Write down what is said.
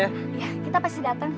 iya kita pasti dateng